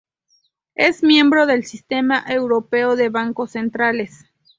Es miembro del Sistema Europeo de Bancos Centrales.